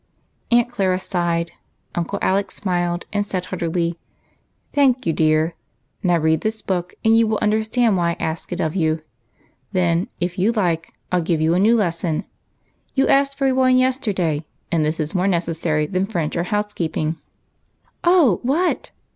Aunt Clara sighed ; Uncle Alec smiled, and said heartily, — FASHION AND PHYSIOLOGY. 215 "Thank you, dear; now read this book and you will understand why I ask it of you. Then, if you like, I '11 give you a new lesson ; you asked for one yesterday, and this is more necessary than French or housekeeping." " Oh, what